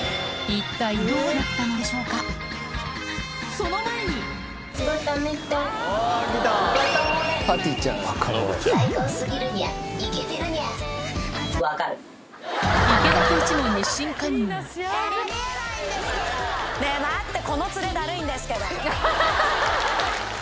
その前に！ねぇ待って。